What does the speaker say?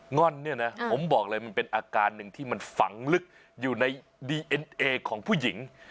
ง่อนเนี่ยนะผมบอกเลยมันเป็นอาการหนึ่งที่มันฝังลึกอยู่ในดีเอ็นเอของผู้หญิง